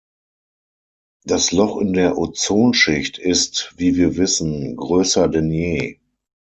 Das Loch in der Ozonschicht ist, wie wir wissen, größer denn je.